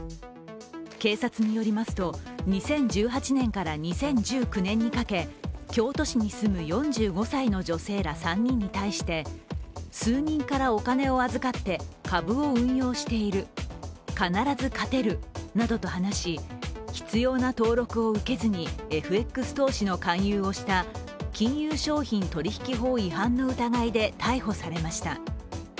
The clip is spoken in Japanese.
警察によりますと２０１８年から２０１９年にかけ京都市に住む４５歳の女性ら３人に対して数人からお金を預かって株を運用している、必ず勝てるなどと話し、必要な登録を受けずにＦＸ投資の勧誘をした金融商品取引法違反の疑いで逮捕されました。